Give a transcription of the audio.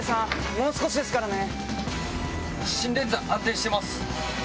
もう少しですからね。